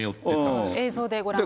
映像でご覧ください。